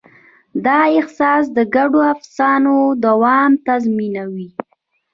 دا احساس د ګډو افسانو دوام تضمینوي.